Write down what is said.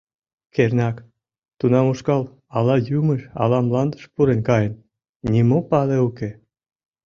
— Кернак, тунам ушкал ала юмыш, ала мландыш пурен каен, нимо пале уке...